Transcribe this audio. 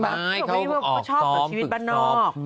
ไม่รู้ว่าเขาชอบจะชีวิตบ้านนอกคือขาว